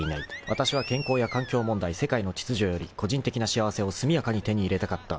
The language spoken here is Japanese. ［わたしは健康や環境問題世界の秩序より個人的な幸せを速やかに手に入れたかった］